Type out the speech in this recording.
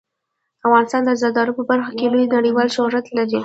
افغانستان د زردالو په برخه کې لوی نړیوال شهرت لري.